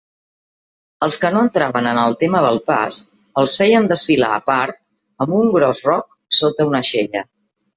Els que no entraven en el tema del pas els feien desfilar a part amb un gros roc sota una aixella.